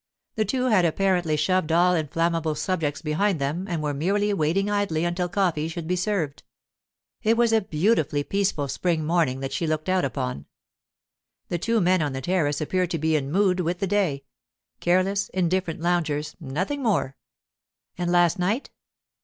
The two had apparently shoved all inflammable subjects behind them and were merely waiting idly until coffee should be served. It was a beautifully peaceful spring morning that she looked out upon. The two men on the terrace appeared to be in mood with the day—careless, indifferent loungers, nothing more. And last night?